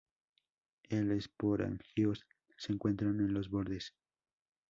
El esporangios se encuentran en los bordes.